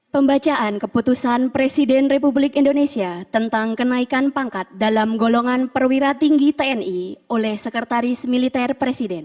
pembacaan keputusan presiden republik indonesia tentang kenaikan pangkat dalam golongan perwira tinggi tni oleh sekretaris militer presiden